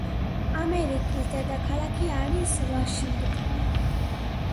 ამერიკის დედაქალაქი არის ვაშინგტონი